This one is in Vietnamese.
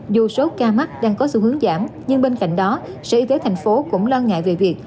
dù số ca mắc đang có sự hướng giảm nhưng bên cạnh đó sở y tế tp hcm cũng lo ngại về việc